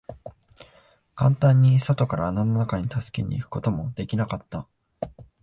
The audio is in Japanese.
簡単に外から穴の中に助けに行くことも出来なかった。